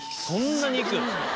そんなにいく？